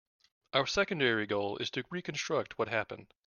Our secondary goal is to reconstruct what happened.